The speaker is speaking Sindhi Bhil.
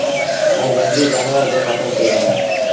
ائيٚݩ جھنگليٚ جآنور با کتم ٿئي وهيݩ دآ۔